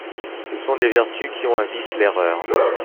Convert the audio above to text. Ce sont des vertus qui ont un vice, l’erreur.